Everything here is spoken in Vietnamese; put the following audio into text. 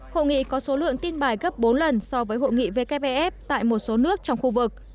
hội nghị có số lượng tin bài gấp bốn lần so với hội nghị wfef tại một số nước trong khu vực